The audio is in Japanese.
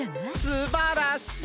すばらしい！